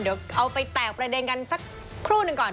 เดี๋ยวเอาไปแตกประเด็นกันสักครู่หนึ่งก่อน